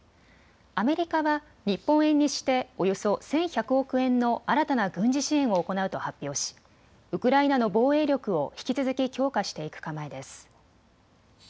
アメリカは日本円にしておよそ１１００億円の新たな軍事支援を行うと発表しウクライナの防衛力を引き続き強化していく構えです。